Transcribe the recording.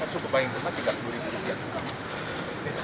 cukup paling tempat tiga puluh ribu rupiah